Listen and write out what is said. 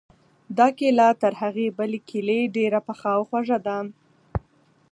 دا کیله تر هغې بلې کیلې ډېره پخه او خوږه ده.